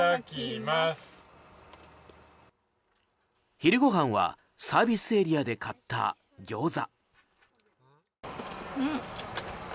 昼ごはんはサービスエリアで買ったギョーザ。